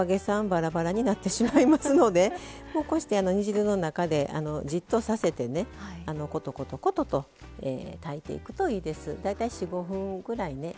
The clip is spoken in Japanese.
ばらばらになってしまいますのでこうして煮汁の中でじっとさせてねコトコトコトと炊いていくといいです。